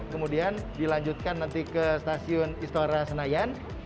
kemudian dilanjutkan nanti ke stasiun istora senayan